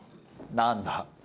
何だ？